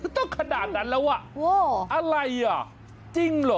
ต้องขนาดนั้นแล้วอ่ะอะไรอ่ะจริงเหรอ